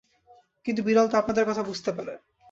কিন্তু বিড়াল তো আপনাদের কথা বুঝতে পারে।